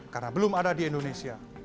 karena belum ada di indonesia